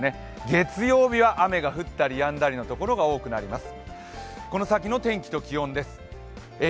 月曜日は雨が降ったりやんだりのところが多くなります。